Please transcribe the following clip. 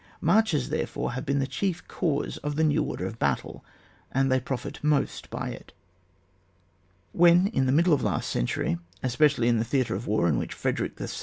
Marches, therefore, have been the chief cause of the new order of battle, and they profit most by it. When in the middle of the last century, especially in the theatre of war in which Frederick II.